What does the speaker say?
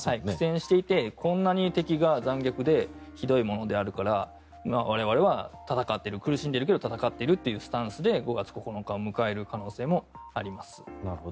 苦戦していてこんなに敵が残虐でひどいものであるから我々は苦しんでいるけど戦っているというスタンスで５月９日を迎える可能性もあります。